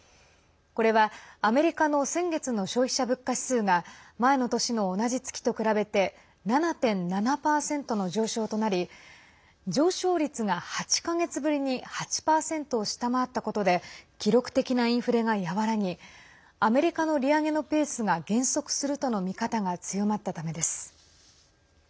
これは、アメリカの先月の消費者物価指数が前の年の同じ月と比べて７．７％の上昇となり上昇率が８か月ぶりに８％を下回ったことで記録的なインフレが和らぎアメリカの利上げのペースが減速するとの見方が強まったためです。